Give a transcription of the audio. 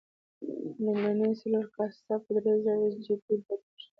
لومړني څلور کاستان په درېزره جتي بدل شول.